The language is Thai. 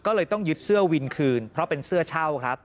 ก็เลยต้องยึดเสื้อวินคืนเพราะเป็นเสื้อเช่าครับ